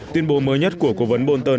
tuyên bố mới nhất của cố vấn bolton